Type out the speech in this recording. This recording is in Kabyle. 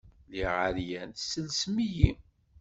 Lliɣ ɛeryan, tesselsem-iyi.